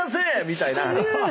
みたいな。